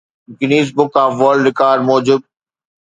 Guinness book of world record موجب